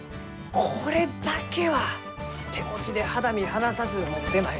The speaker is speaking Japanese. これだけは手持ちで肌身離さず持ってまいりました！